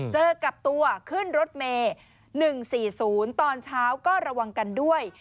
เจอกับตัวขึ้นรถเมหนึ่งสี่ศูนย์ตอนเช้าก็ระวังกันด้วย